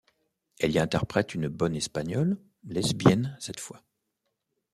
Elle y interprète une bonne espagnole... lesbienne cette fois.